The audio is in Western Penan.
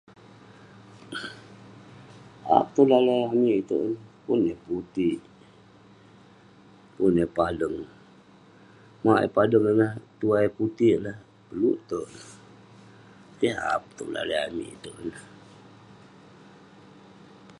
um Aap tong daleh amik iteuk ineh, pun eh putik, pun eh padeng. Mauk eh padeng ineh, tuai putik eh lah peluk tek neh. Keh aap tong daleh amik teuk ineh.